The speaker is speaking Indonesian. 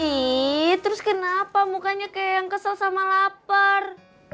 nih terus kenapa mukanya kayak yang kesel sama lapar